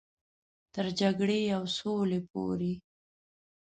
تر جګړې او سولې پورې.